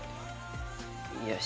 よし！